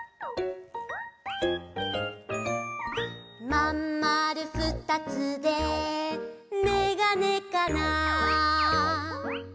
「まんまるふたつでメガネかな」